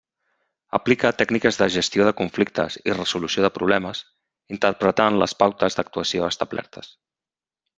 Aplica tècniques de gestió de conflictes i resolució de problemes, interpretant les pautes d'actuació establertes.